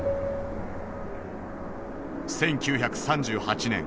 １９３８年